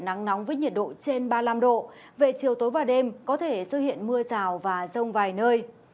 nắng nóng với nhiệt độ trên ba mươi năm độ về chiều tối và đêm có thể xuất hiện mưa rào và rông vài nơi